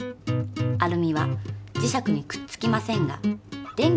アルミは磁石にくっつきませんが電気は通します。